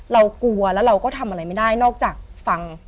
เรากลัวแล้วเราก็ทำอะไรไม่ได้นอกจากฟัง